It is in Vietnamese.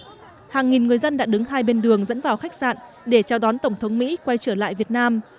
trước đó hàng nghìn người dân đã đứng hai bên đường dẫn vào khách sạn để chào đón tổng thống mỹ quay trở lại việt nam